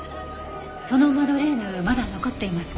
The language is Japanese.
そのマドレーヌまだ残っていますか？